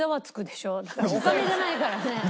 お金じゃないからね。